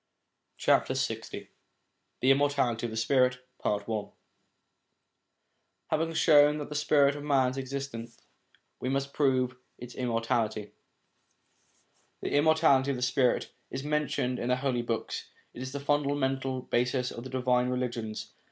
LX THE IMMORTALITY OF THE SPIRIT (I) HAVING shown that the spirit of man exists, 1 we must prove its immortality. The immortality of the spirit is mentioned in the Holy Books ; it is the fundamental basis of the divine religions.